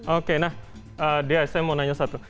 oke nah dea saya mau nanya satu